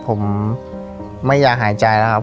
ผมไม่อยากหายใจแล้วครับ